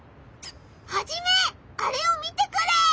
ハジメあれを見てくれ！